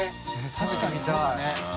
確かにそうだね。